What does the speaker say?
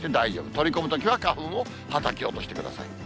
取り込むときは花粉をはたき落してください。